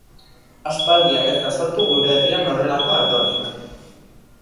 Aspaldian ez da sortu gure herrian horrelako ardorik.